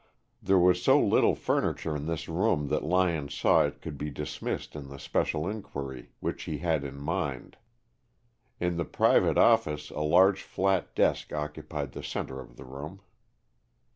There was so little furniture in this room that Lyon saw it could be dismissed in the special inquiry which he had in mind. In the private office a large flat desk occupied the center of the room.